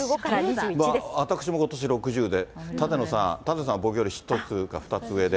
私もことし６０で、舘野さん、舘野さんは僕より１つか２つ上で。